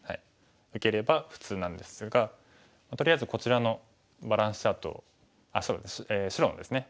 受ければ普通なんですがとりあえずこちらのバランスチャートを白のですね